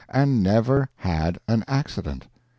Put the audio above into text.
_And never an accident.